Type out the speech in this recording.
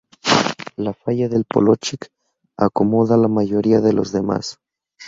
La falla del Polochic acomoda la mayoría de los demás.